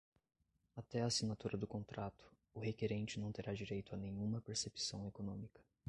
Até a assinatura do contrato, o requerente não terá direito a nenhuma percepção econômica.